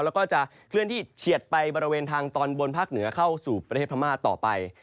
แล้วก็จะเคลื่อนที่เฉียดไปบริเวณทางตอนบนภาคเหนือเข้าสู่ประเทศพม่าต่อไป